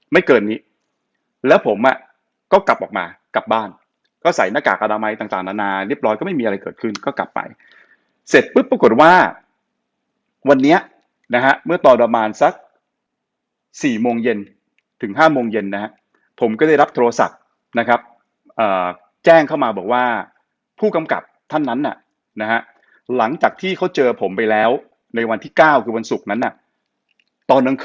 ใส่หน้ากากอาดามัยต่างต่างนานานาเรียบร้อยก็ไม่มีอะไรเกิดขึ้นก็กลับไปเสร็จปุ๊บปรากฏว่าวันเนี้ยนะฮะเมื่อตอนประมาณสักสี่โมงเย็นถึงห้ามงเย็นนะฮะผมก็ได้รับโทรศัพท์นะครับอ่าแจ้งเข้ามาบอกว่าผู้กำกับท่านนั้นน่ะนะฮะหลังจากที่เขาเจอผมไปแล้วในวันที่เก้าคือวันศุกร์นั้นน่ะตอน